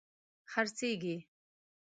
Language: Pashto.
خرڅیږې